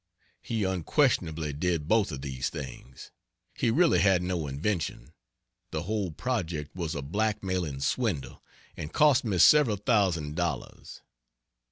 He unquestionably did both of these things. He really had no invention; the whole project was a blackmailing swindle, and cost me several thousand dollars.